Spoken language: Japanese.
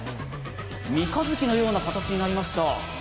三日月のような形になりました。